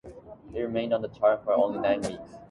It remained on the chart for only nine weeks.